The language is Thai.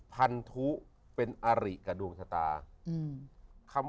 พันธุเป็นอาริกับดวงชะตา